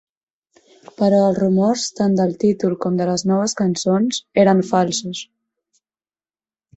Però els rumors tant del títol com de les noves cançons eren falsos.